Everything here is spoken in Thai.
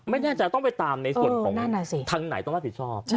ไม่แน่ใจต้องไปตามในส่วนของทางไหนต้องรับผิดชอบ